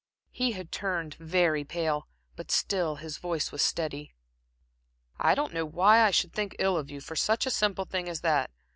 He had turned very pale, but still his voice was steady. "I don't know why I should think ill of you, for such a simple thing as that.